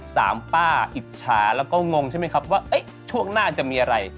สามป้าอิจฉาแล้วก็งงใช่ไหมครับว่าช่วงหน้าจะมีอะไร